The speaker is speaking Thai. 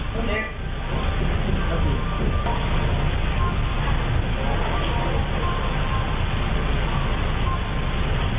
กล้องวงจรปิดบทึกเหตุการณ์ช่วงเย็น